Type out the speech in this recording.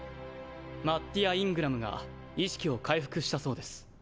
マッティア・イングラムが意識を回復したそうです。